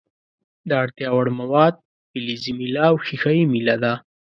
د اړتیا وړ مواد فلزي میله او ښيښه یي میله ده.